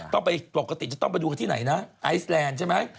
ต้องไปปกติจะต้องไปดูกันที่ไหนนะไอซแลนด์ใช่ไหม